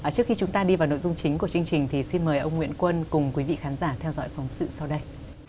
trước khi chúng ta đi vào nội dung chính của chương trình thì xin mời ông nguyễn quân cùng quý vị khán giả theo dõi phóng sự sau đây